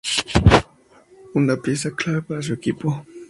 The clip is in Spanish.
Una pieza clave para su equipo.